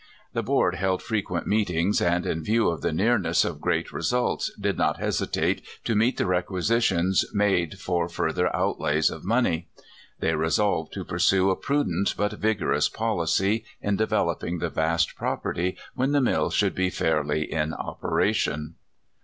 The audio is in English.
The board held frequent meetings, and in view of the nearness of great results did not hesitate to meet the requisitions made for further outlays of money. They resolved to pursue a prudent but vigorous policy in developing the vast property when the mill should be fairly in operation.